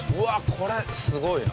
これすごいな。